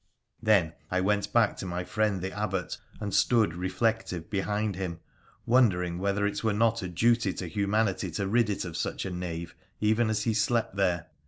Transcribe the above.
PHRA THE PHCEN1CIAN 117 Then I went back to my friend the Abbot, and stood, reflective, behind him, wondering whether it were not a duty to humanity to rid it of such a knave even as he slept there.